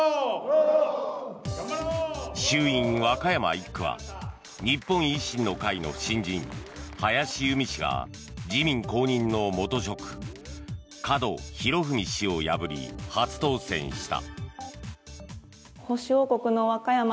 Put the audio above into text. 衆院和歌山１区は日本維新の会の新人林佑美氏が自民公認の元職、門博文氏を破り初当選した。